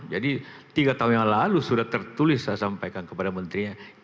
jadi tiga tahun yang lalu sudah tertulis saya sampaikan kepada menterinya